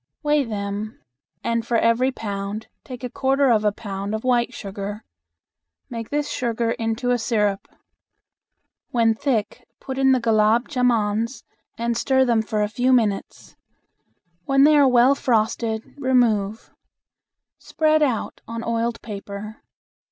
Weigh them, and for every pound take a quarter of a pound of white sugar. Make this sugar into a syrup. When thick put in the gulab jamans and stir them for a few minutes. When they are well frosted, remove. Spread out on oiled paper.